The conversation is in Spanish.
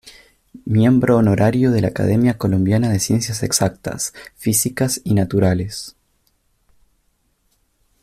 Miembro Honorario de la Academia Colombiana de Ciencias Exactas, Físicas y Naturales.